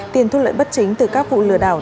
tiền thu lợi bất chính từ các vụ lừa đảo